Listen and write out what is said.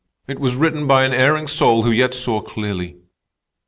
It was written by an erring soul who yet saw clearly.